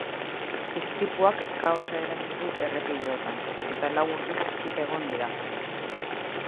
Istripuak kaosa eragin du errepideotan, eta lau orduz itxita egon dira.